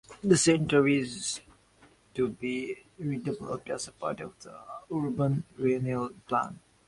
The centre is to be redeveloped as a part of the urban renewal plan.